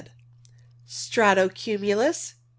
Strato cumulus.